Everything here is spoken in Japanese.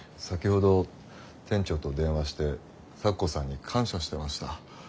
先ほど店長と電話して咲子さんに感謝してました。